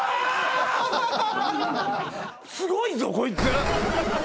すごいぞこいつ。